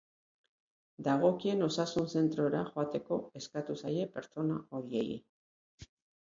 Dagokien osasun-zentrora joateko eskatzen zaie pertsona horiei.